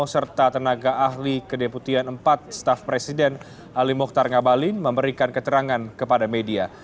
serta tenaga ahli kedeputian empat staff presiden ali mokhtar ngabalin memberikan keterangan kepada media